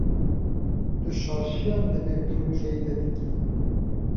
Tu şaşiyan di vê projeyê de dikî.